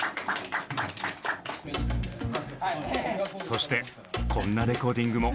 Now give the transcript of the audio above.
そしてこんなレコーディングも。